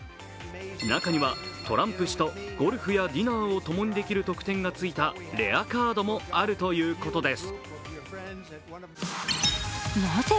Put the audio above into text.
中にはトランプ氏とゴルフやディナーをともにできる特典がついたレアカードもあるということです。